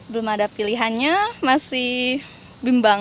belum ada pilihannya masih bimbang